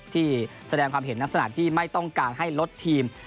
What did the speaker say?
ที่แสดงความเห็นลักษณะที่ไม่ต้องการให้ลดทีม